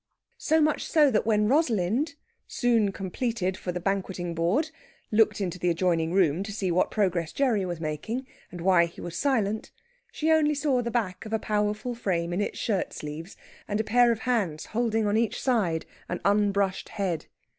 So much so that when Rosalind, soon completed for the banqueting board, looked into the adjoining room to see what progress Gerry was making, and why he was silent, she only saw the back of a powerful frame in its shirt sleeves, and a pair of hands holding on each side an unbrushed head.